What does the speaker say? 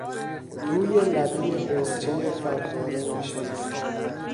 روی لبهی حوضچهی فواره نشست.